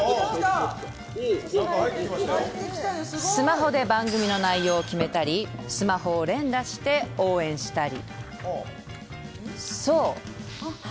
スマホで番組の内容を決めたりスマホを連打して応援したりそう。